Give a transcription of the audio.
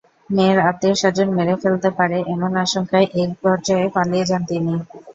মেয়ের আত্মীয়স্বজন মেরে ফেলতে পারে এমন আশঙ্কায় একপর্যায়ে পালিয়ে যান তিনি।